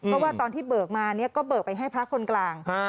เพราะว่าตอนที่เบิกมาเนี่ยก็เบิกไปให้พระคนกลาง